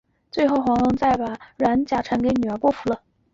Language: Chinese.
最后黄蓉再把软猬甲传给女儿郭芙了。